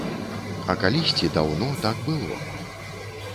А калісьці, даўно, так было.